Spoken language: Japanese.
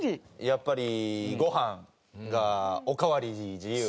やっぱりご飯がおかわり自由。